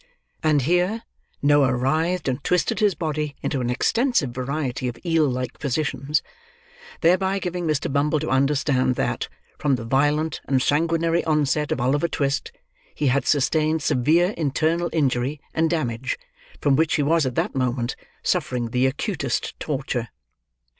And here, Noah writhed and twisted his body into an extensive variety of eel like positions; thereby giving Mr. Bumble to understand that, from the violent and sanguinary onset of Oliver Twist, he had sustained severe internal injury and damage, from which he was at that moment suffering the acutest torture.